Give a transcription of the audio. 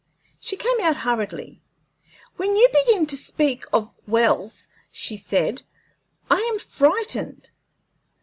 She came out hurriedly. "When you begin to speak of wells," she said, "I am frightened.